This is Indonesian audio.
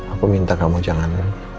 aku minta kamu jangan